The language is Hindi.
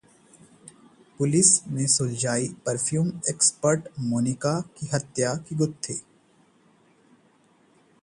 पुलिस ने सुलझाई परफ्यूम एक्सपर्ट मोनिका की हत्या की गुत्थी